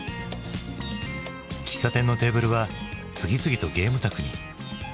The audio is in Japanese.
喫茶店のテーブルは次々とゲーム卓に。